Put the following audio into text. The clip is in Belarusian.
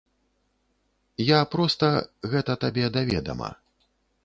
Я проста гэта табе да ведама.